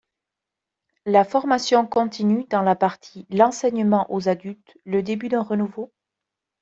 La formation continue dans la partie L’enseignement aux adultes : le début d’un renouveau ?